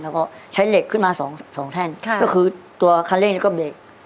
แล้วก็ใช้เหล็กขึ้นมา๒แท่นก็คือตัวคันเล่งและก็เบรก